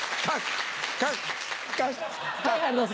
はい。